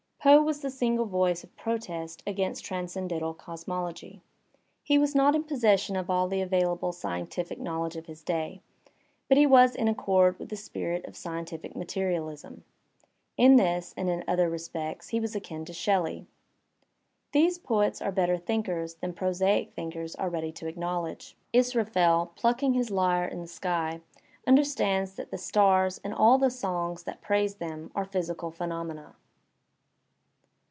Poe was the single voice of protest against transcendental cosmology. He was not in possession of all the available scientific knowledge of his day, but he was in accord with the spirit of scientific materialism. In this and in other respects he was akin to Shelley. These poets are better thinkers than prosaic thinkers are ready to acknowl edge. Israf el, plucking his lyre in the sky, understands that the stars and all the songs that praise them are physical phenomena.